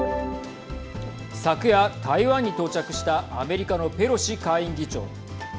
昨夜、台湾に到着したアメリカのペロシ下院議長。